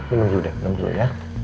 ini dulu deh nunggu dulu ya